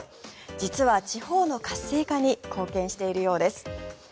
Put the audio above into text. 実は地方の活性化に貢献しているようです。